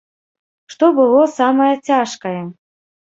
Што было самае цяжкае?